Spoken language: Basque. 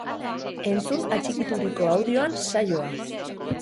Entzun atxikituriko audioan saioa!